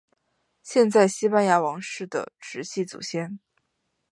现在西班牙王室的直系祖先。